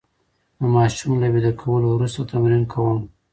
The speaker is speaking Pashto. د ماشومانو له ویده کولو وروسته تمرین کوم.